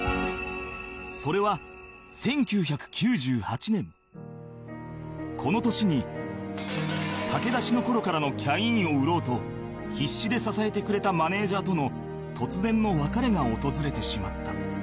それはこの年に駆け出しの頃からのキャインを売ろうと必死で支えてくれたマネジャーとの突然の別れが訪れてしまった